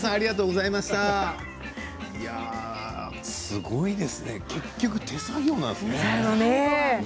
すごいですね結局、手作業なんですね。